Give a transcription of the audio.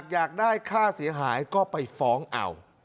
อยากได้ค่าเสียหายก็ไปฟ้องเอา